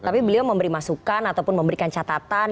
tapi beliau memberi masukan ataupun memberikan catatan